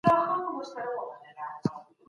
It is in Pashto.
د شکایتونو اوریدو لپاره ځانګړي ادارې وې.